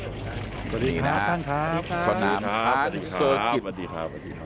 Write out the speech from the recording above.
สวัสดีค่ะท่านครับสวัสดีค่ะ